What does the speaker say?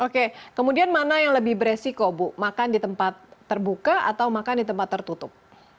oke kemudian mana yang lebih beresiko bu makan di tempat terbuka atau makan di tempat tertutup